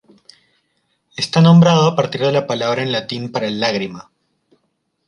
Está nombrado a partir de la palabra en latín para "lágrima".